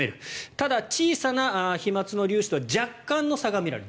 ただ、小さな飛まつの粒子では若干の差がみられる。